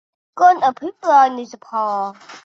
การอภิปราย ในสภา